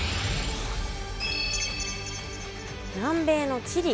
南米のチリ。